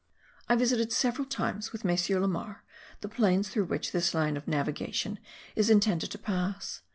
I visited several times, with MM. Lemaur, the plains through which this line of navigation is intended to pass.